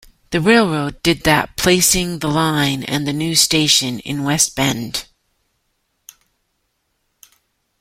The railroad did that placing the line and the new station in West Bend.